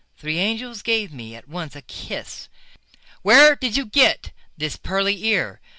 Three angels gave me at once a kiss. Where did you get this pearly ear?